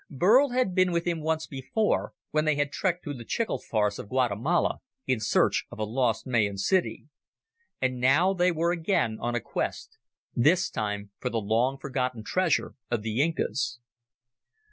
Burl had been with him once before, when they had trekked through the chicle forests of Guatemala in search of a lost Mayan city. And now they were again on a quest, this time for the long forgotten treasure of the Incas.